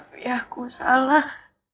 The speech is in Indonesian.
tapi aku salah